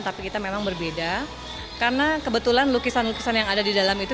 tapi kita memang berbeda karena kebetulan lukisan lukisan yang ada di dalam itu